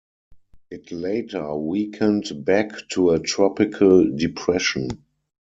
It later weakened back to a tropical depression.